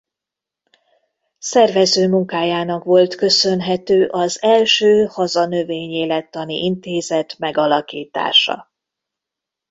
Szervezőmunkájának volt köszönhető az első haza növényélettani intézet megalakítása.